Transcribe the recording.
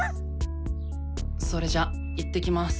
それじゃ行ってきます。